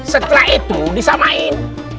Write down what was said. setelah itu disamain